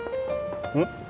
うん？